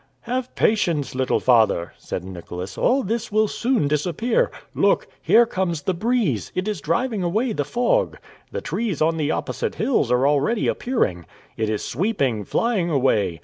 "Have patience, little father," said Nicholas. "All this will soon disappear. Look! here comes the breeze! It is driving away the fog. The trees on the opposite hills are already appearing. It is sweeping, flying away.